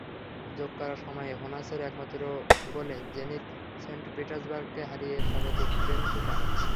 যোগ করা সময়ে হোনাসের একমাত্র গোলে জেনিত সেন্ট পিটার্সবার্গকে হারিয়েছে স্বাগতিক বেনফিকা।